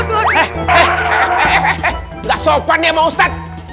hahaha nggak sopan ya pak ustadz